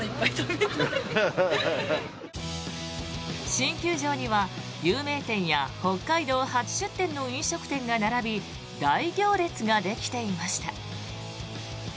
新球場には有名店や北海道初出店の飲食店が並び大行列ができていました。